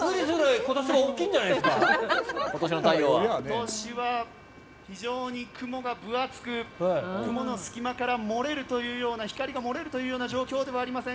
今年は非常に雲が分厚く雲の隙間から光が漏れるという状況ではありません。